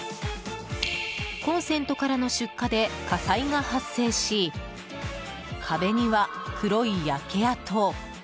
コンセントからの出火で火災が発生し壁には黒い焼け跡。